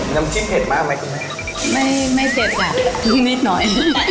น้ำจิ้มเผ็ดมากไหมคุณแม่ไม่ไม่เผ็ดอ่ะนุ่มนิดหน่อย